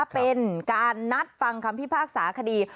เป็นการนัดฟังคำพิพากษาคดี